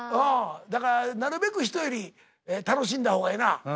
だからなるべく人より楽しんだ方がええな。